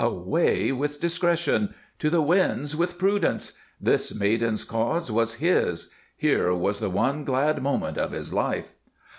Away with discretion! To the winds with prudence! This maiden's cause was his. Here was the one glad moment of his life.